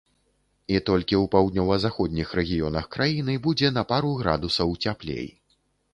І толькі ў паўднёва-заходніх рэгіёнах краіны будзе на пару градусаў цяплей.